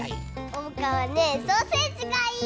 おうかはねソーセージがいい！